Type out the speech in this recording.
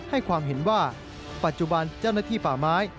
ให้ความเห็นว่าปัจจุบันเจ้าหน้าที่ป่าไม้